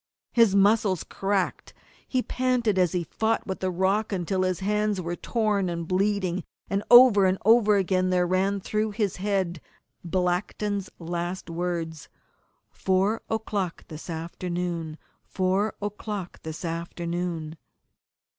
His muscles cracked, he panted as he fought with the rock until his hands were torn and bleeding, and over and over again there ran through his head Blackton's last words _Four o'clock this afternoon! Four o'clock this afternoon!